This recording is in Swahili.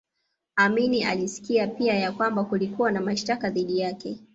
Amin alisikia pia ya kwamba kulikuwa na mashtaka dhidi yake